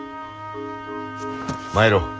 参ろう。